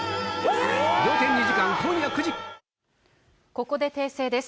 ここで訂正です。